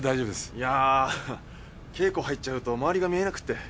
いやぁ稽古入っちゃうとまわりが見えなくって。